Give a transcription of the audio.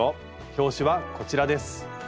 表紙はこちらです。